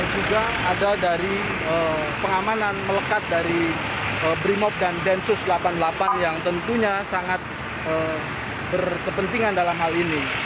juga ada dari pengamanan melekat dari brimob dan densus delapan puluh delapan yang tentunya sangat berkepentingan dalam hal ini